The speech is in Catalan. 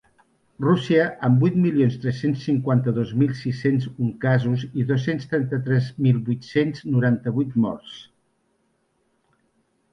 Rússia, amb vuit milions tres-cents cinquanta-dos mil sis-cents un casos i dos-cents trenta-tres mil vuit-cents noranta-vuit morts.